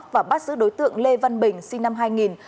và bắt giữ đối tượng lê văn bình sinh năm hai nghìn